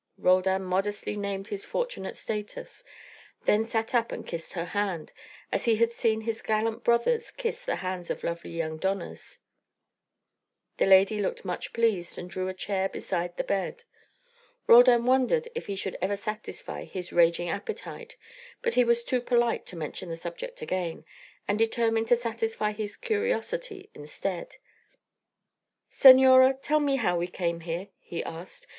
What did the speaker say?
Roldan modestly named his fortunate status, then sat up and kissed her hand, as he had seen his gallant brothers kiss the hands of lovely young donas. The lady looked much pleased and drew a chair beside the bed. Roldan wondered if he should ever satisfy his raging appetite, but was too polite to mention the subject again, and determined to satisfy his curiosity instead. "Senora, tell me how we came here," he asked.